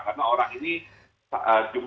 karena orang ini jumlahnya sangat dynamic